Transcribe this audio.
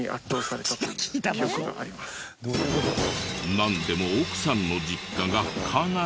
なんでも奥さんの実家がかなり怖いらしい。